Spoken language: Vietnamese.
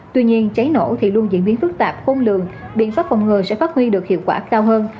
tuy nhiên cháy nổ thì luôn diễn biến phức tạp khôn lường biện pháp phòng ngừa sẽ phát huy được hiệu quả cao hơn